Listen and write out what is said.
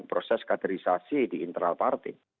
proses katerisasi di internal party